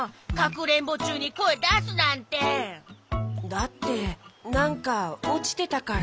だってなんかおちてたから。